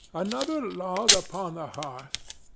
another log upon the hearth.